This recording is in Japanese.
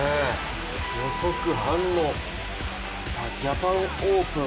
予測、反応ジャパンオープン